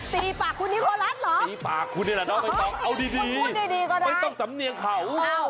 ตีปากคุณนิโคลอสเหรอเอาดีไม่ต้องสำเนียงเขาอ้าว